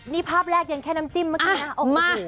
นี่ภาพแรกยังแค่น้ำจิ้มเมื่อกี้นะออกมา